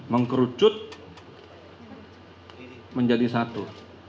mengkerucut menjadi satu